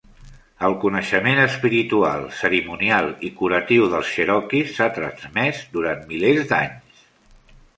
El coneixement espiritual, cerimonial i curatiu dels cherokees s'ha transmès durant milers d'anys.